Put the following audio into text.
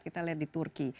kita lihat di turki